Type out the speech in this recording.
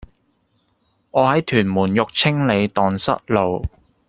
我喺屯門育青里盪失路